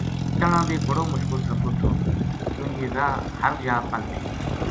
تہنا بے بڑو مشکل سفر تھوکیون جے راہ ہر جا پل تھی